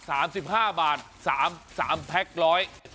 อ่ะ๓๕บาท๓แพ็คร้อย